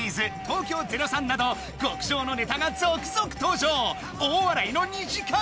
東京０３など極上のネタが続々登場大笑いの２時間